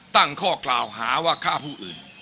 ตั้งข้อกล่าวหาว่าฆ่าผู้อื่น